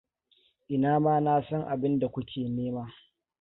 Ina ma na san abinda ku ke nema.